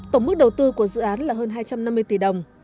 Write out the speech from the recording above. tổng mức đầu tư của dự án là hơn hai trăm năm mươi tỷ đồng